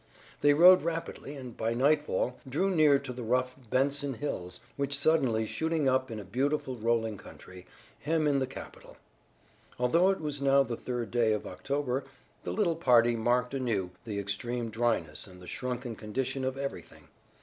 They rode rapidly and by nightfall drew near to the rough Benson Hills, which suddenly shooting up in a beautiful rolling country, hem in the capital. Although it was now the third day of October the little party marked anew the extreme dryness and the shrunken condition of everything.